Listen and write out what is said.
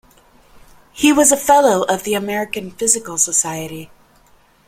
He was a fellow of the American Physical Society.